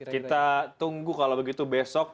kita tunggu kalau begitu besok